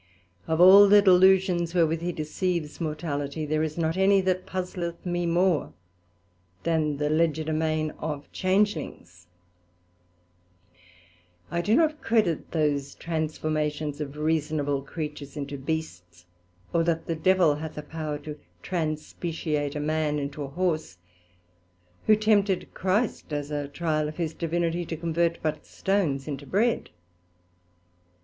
Of all the delusions wherewith he deceives mortality, there is not any that puzleth me more than the Legerdemain of Changelings; I do not credit those transformations of reasonable creatures into beasts, or that the Devil hath a power to transpeciate a man into a Horse, who tempted Christ (as a trial of his Divinity) to convert but stones into bread.